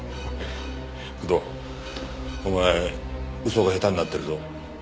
工藤お前嘘が下手になってるぞ。